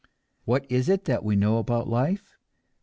What is it that we know about life?